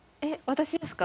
私ですか？